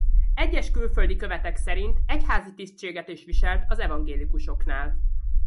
Egyes külföldi követek szerint egyházi tisztséget is viselt az evangélikusoknál.